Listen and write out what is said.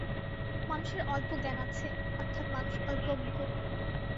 মানুষের অল্প জ্ঞান আছে অর্থাৎ মানুষ অল্পজ্ঞ।